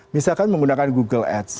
misalkan menggunakan google ads